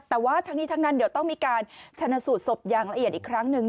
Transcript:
แต่ว่าทั้งนี้ทั้งนั้นเดี๋ยวต้องมีการชนะสูตรศพอย่างละเอียดอีกครั้งหนึ่ง